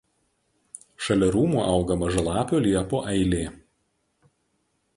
Šalia rūmų auga mažalapių liepų eilė.